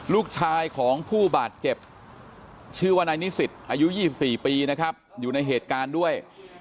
ลูกชายของผู้บาดเจ็บชื่อว่านายนิสิตอายุ๒๔ปีนะครับอยู่ในเหตุการณ์ด้วย